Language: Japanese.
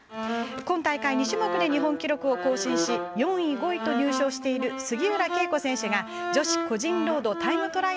今大会２種目で日本記録を更新し４位、５位と入賞している杉浦佳子選手が女子個人ロードタイムトライアルに出場します。